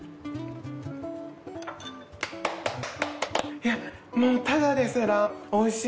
いやもうただですら美味しい